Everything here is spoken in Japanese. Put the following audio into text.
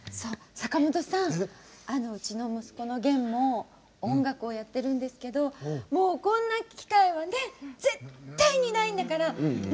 坂本さんうちの息子の源も音楽をやってるんですけどもうこんな機会は絶対にないんだから参加させて。